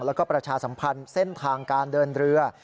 แล้วก็ประชาสัมพันธ์เส้นทางการเดินเรือ